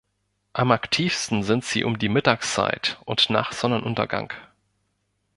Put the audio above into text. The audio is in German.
Am aktivsten sind sie um die Mittagszeit und nach Sonnenuntergang.